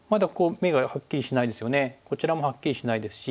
こちらもはっきりしないですし。